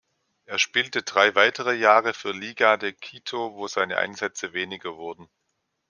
Er spielte drei weitere Jahre für Liga de Quito, wo seine Einsätze weniger wurden.